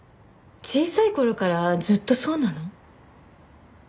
小さい頃からずっとそうなの？